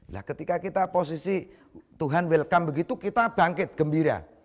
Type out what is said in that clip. nah ketika kita posisi tuhan welcome begitu kita bangkit gembira